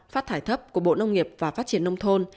phát thải thấp của bộ nông nghiệp và phát triển nông thôn